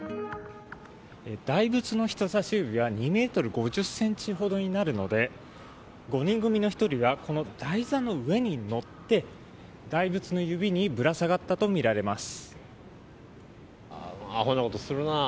大仏の人さし指は２ｍ５０ｃｍほどになるので５人組の１人はこの台座の上に乗って大仏の指にぶら下がったとみられます。